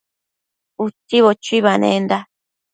Utsibo chuibanenda